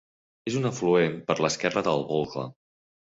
És un afluent per l'esquerra del Volga.